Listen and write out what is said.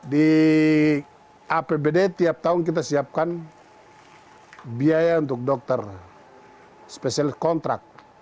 di apbd tiap tahun kita siapkan biaya untuk dokter spesialis kontrak